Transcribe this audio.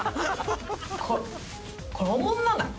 これオモんなない？